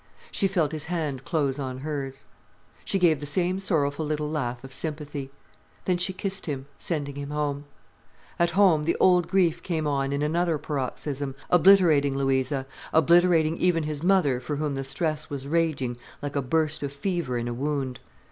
She felt his hand close on hers. She gave the same sorrowful little laugh of sympathy. Then she kissed him, sending him home. At home, the old grief came on in another paroxysm, obliterating Louisa, obliterating even his mother for whom the stress was raging like a burst of fever in a wound.